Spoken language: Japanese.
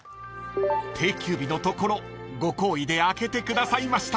［定休日のところご厚意で開けてくださいました］